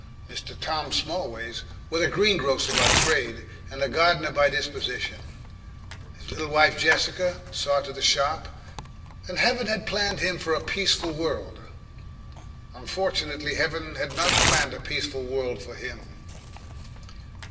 Mr. Tom Smallways was a green grocer by trade and a gardener by disposition; his little wife Jessica saw to the shop, and Heaven had planned him for a peaceful world. Unfortunately Heaven had not planned a peaceful world for him.